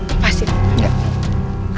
apa sih nggak